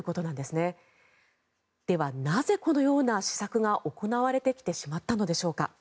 では、なぜこのような施策が行われてきてしまったのでしょうか。